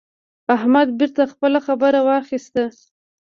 احمد بېرته خپله خبره واخيسته.